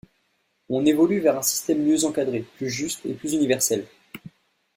On évolue vers un système mieux encadré, plus juste et plus universel.